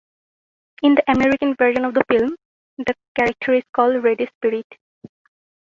In the American version of the film the character is called Radish Spirit.